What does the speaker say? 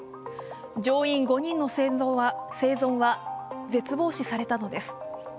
乗員５人の生存は絶望視されたのです。